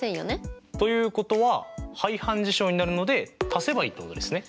ということは排反事象になるので足せばいいってことですね。